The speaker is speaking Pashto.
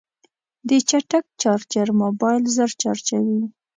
د چټک چارجر موبایل ژر چارجوي.